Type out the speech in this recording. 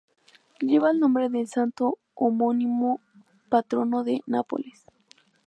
Lleva el nombre del santo homónimo, patrono de Nápoles.